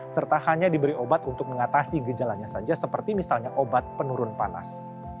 serta hanya diberi obat untuk mengatasi gejalanya saja seperti misalnya obat penurun panas